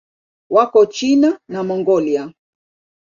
Wako China na Mongolia.